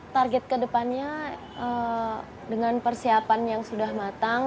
target kedepannya dengan persiapan yang sudah matang